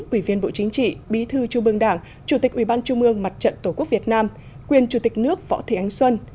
ủy viên bộ chính trị bí thư trung mương đảng chủ tịch ủy ban trung mương mặt trận tổ quốc việt nam nguyên chủ tịch nước võ thị anh xuân